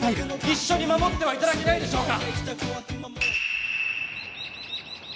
一緒に守っては頂けないでしょうか。